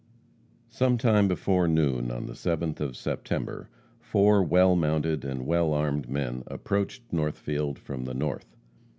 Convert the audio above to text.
Sometime before noon on the 7th of September, four well mounted and well armed men approached Northfield from the north.